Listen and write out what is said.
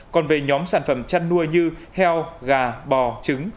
còn về nhóm sản phẩm chăn nuôi như heo gà bò trứng